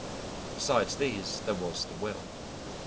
Besides these there was the will.